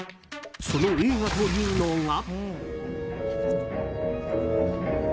その映画というのが。